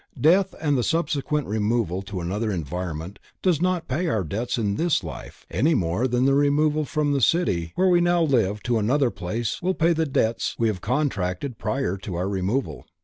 Death and the subsequent removal to another environment does not pay our debts in this life, any more than the removal from the city where we now live to another place will pay the debts we have contracted prior to our removal.